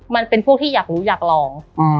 มันเป็นพวกที่อยากรู้อยากลอง